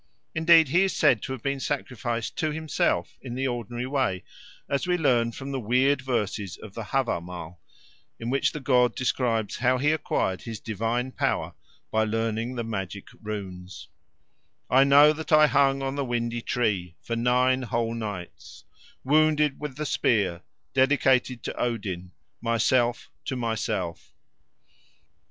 Indeed he is said to have been sacrificed to himself in the ordinary way, as we learn from the weird verses of the Havamal, in which the god describes how he acquired his divine power by learning the magic runes: "I know that I hung on the windy tree For nine whole nights, Wounded with the spear, dedicated to Odin, Myself to myself."